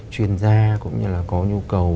chuyên gia cũng như là có nhu cầu